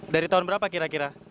dari tahun berapa kira kira